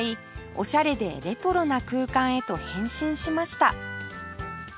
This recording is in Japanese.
オシャレでレトロな空間へと変身しました